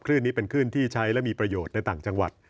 นี้เป็นคลื่นที่ใช้และมีประโยชน์ในต่างจังหวัด